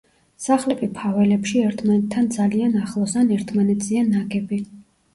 სახლები ფაველებში ერთმანეთთან ძალიან ახლოს ან ერთმანეთზეა ნაგები.